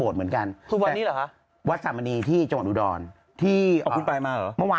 ได้มา๑คู่เดียว